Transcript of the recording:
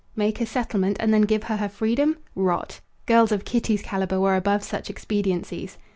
Make a settlement, and then give her her freedom? Rot! Girls of Kitty's calibre were above such expediencies.